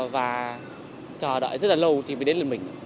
và chờ đợi rất là lâu thì mới đến là mình